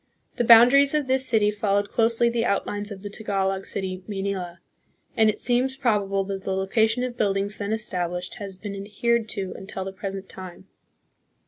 The bounda ries of this city followed closely the outlines of the Tagalog city " Maynila," and it seems probable that the location of buildings then established has been adhered to until the present time.